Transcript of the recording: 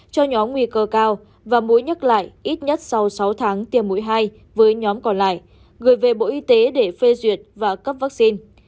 cho nhóm nguy cơ cao và muốn nhắc lại ít nhất sau sáu tháng tiêm mũi hai với nhóm còn lại gửi về bộ y tế để phê duyệt và cấp vaccine